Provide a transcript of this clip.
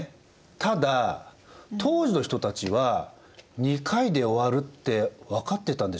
ただ当時の人たちは２回で終わるって分かってたんでしょうか？